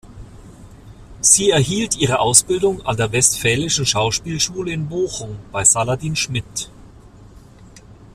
Sie erhielt ihre Ausbildung an der Westfälischen Schauspielschule in Bochum bei Saladin Schmitt.